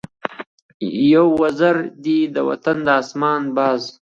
یو وزر دی د وطن د آسمان ، باز